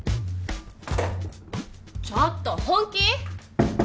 ちょっと本気？